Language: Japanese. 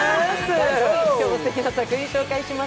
今日もすてきな作品紹介します。